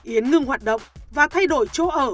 yến ngừng hoạt động và thay đổi chỗ ở